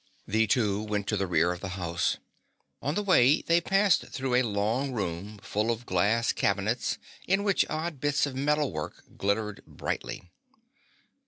The two went to the rear of the house. On the way they passed through a long room full of glass cabinets in which odd bits of metal work glittered brightly.